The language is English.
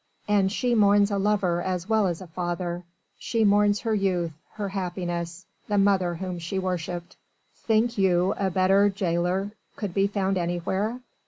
And she mourns a lover as well as a father she mourns her youth, her happiness, the mother whom she worshipped. Think you a better gaoler could be found anywhere?